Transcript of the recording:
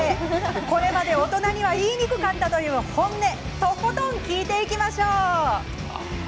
これまで大人には言いにくかったという本音をとことん聞いていきましょう。